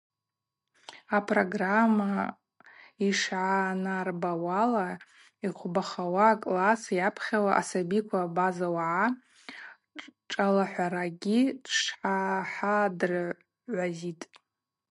Апрограмма йшгӏанарбауала, йхвбахауа акласс йапхьауа асабиква абаза уагӏа шӏалахӏварагьи тшахадыргӏвазитӏ.